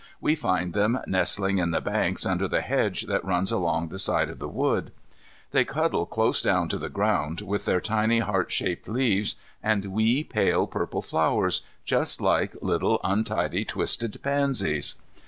We find them nestling in the banks under the hedge that runs along the side of the wood. They cuddle close down to the ground, with their tiny heart shaped leaves and wee pale purple flowers, just like little untidy twisted pansies.